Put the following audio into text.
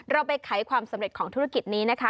เราไปไขความสำเร็จของธุรกิจนี้นะคะ